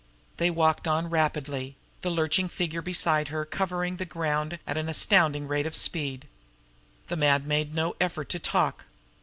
They walked on rapidly; the lurching figure beside her covering the ground at an astounding rate of speed. The man made no effort to talk.